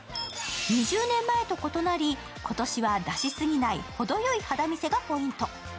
２０年前と異なり、今年は出し過ぎない程よい肌見せがポイント。